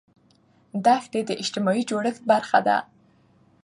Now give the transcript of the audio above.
دښتې د اجتماعي جوړښت برخه ده.